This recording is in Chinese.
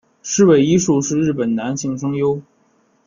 矢尾一树是日本男性声优。